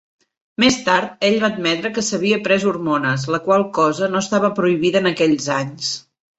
Més tard, ell va admetre que s'havia pres hormones, la qual cosa no estava prohibida en aquells anys.